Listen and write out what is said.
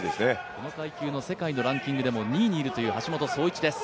この階級の世界のランキングでも２位にいるという橋本壮市です。